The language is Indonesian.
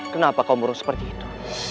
kenapa kau burung seperti itu